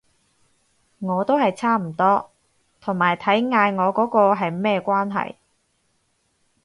我都係差唔多，同埋睇嗌我嗰個係咩關係